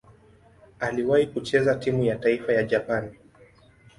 Aliwahi kucheza timu ya taifa ya Japani.